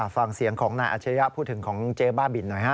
ฟังเสียงของนายอาชริยะพูดถึงของเจ๊บ้าบินหน่อยฮะ